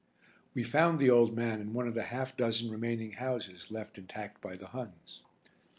We found the old man in one of the half dozen remaining houses left intact by the Huns.